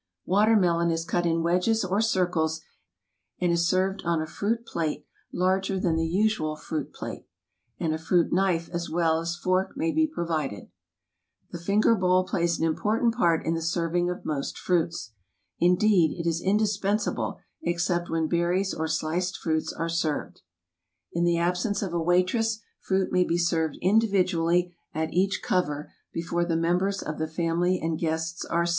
Watermelon is cut in wedges or circles, and is served on a fruit plate larger than the usual fruit plate, and a fruit knife as well as fork may be provided. The finger bowl plays an important part in the serving of most fruits. Indeed, it is indispen sable except when berries or sliced fruits are served. In the absence of a waitress, fruit may be served individually at each cover before the members of the family and guests are seated.